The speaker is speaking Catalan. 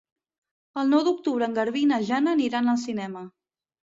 El nou d'octubre en Garbí i na Jana aniran al cinema.